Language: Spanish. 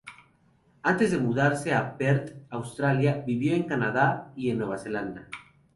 Antes de mudarse a Perth, Australia, vivió en Canadá y en Nueva Zelanda.